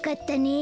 え？